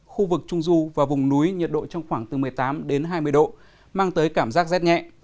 khu vực trung du và vùng núi nhiệt độ trong khoảng từ một mươi tám đến hai mươi độ mang tới cảm giác rét nhẹ